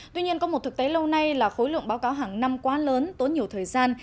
tuy nhiên có một thực tế lâu nay là khối lượng báo cáo hàng năm quá lớn tốn nhiều thời gian